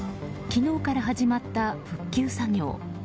昨日から始まった復旧作業。